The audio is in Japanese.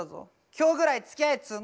今日ぐらいつきあえっつうの。